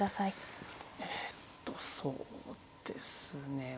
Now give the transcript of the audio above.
えっとそうですねうんと。